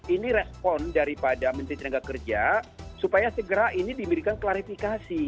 ini respon daripada menteri tenaga kerja supaya segera ini diberikan klarifikasi